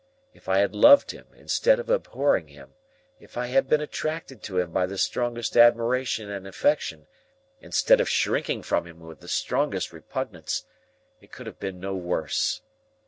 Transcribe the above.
If I had loved him instead of abhorring him; if I had been attracted to him by the strongest admiration and affection, instead of shrinking from him with the strongest repugnance; it could have been no worse.